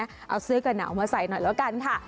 เอาเสื้อกระหนาวมาใส่หน่อยแล้วกันค่ะ